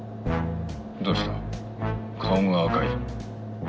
どうした顔が赤い。